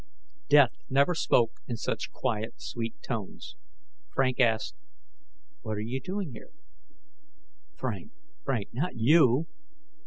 Death never spoke in such quiet, sweet tones. Frank asked, "What are you doing here?" _Frank, Frank, not you!